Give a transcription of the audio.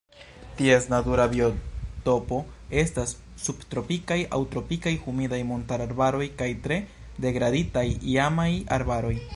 Ties natura biotopo estas subtropikaj aŭ tropikaj humidaj montarbaroj kaj tre degraditaj iamaj arbaroj.